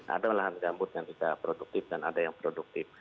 ada lahan gambut yang tidak produktif dan ada yang produktif